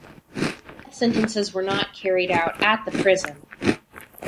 Death sentences were not carried out at the prison.